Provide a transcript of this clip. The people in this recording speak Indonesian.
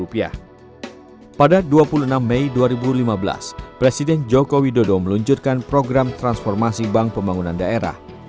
pada dua puluh enam mei dua ribu lima belas presiden joko widodo meluncurkan program transformasi bank pembangunan daerah